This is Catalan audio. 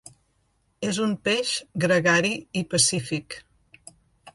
És un peix gregari i pacífic.